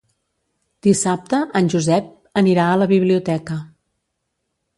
Dissabte en Josep anirà a la biblioteca.